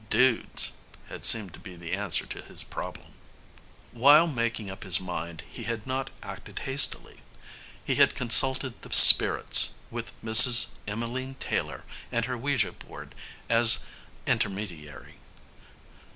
"Dudes" had seemed to be the answer to his problem. While making up his mind, he had not acted hastily. He had consulted the spirits, with Mrs. Emmeline Taylor and her ouija board as intermediary.